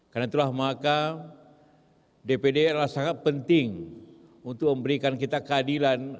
karena itulah maka dpd adalah sangat penting untuk memberikan kita keadilan